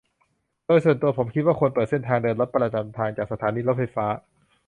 โดยส่วนตัวผมคิดว่าควรเปิดเส้นทางเดินรถประจำทางจากสถานีรถไฟฟ้า